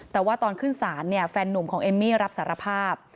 แต่ว่าตอนขึ้นศาลเนี่ยแฟนนุ่มของเอมมี่รับสารภาพ